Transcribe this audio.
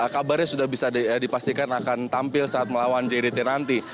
kabarnya sudah bisa dipastikan akan tampil saat melawan jrt nanti